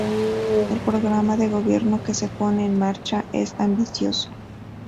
El programa de gobierno que se pone en marcha es ambicioso.